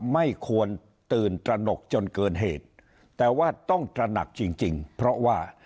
ไม่ควรตื่นตระหนกจนเกินเหตุแต่ว่าต้องตระหนักจริงจริงเพราะว่า